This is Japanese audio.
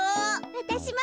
わたしも。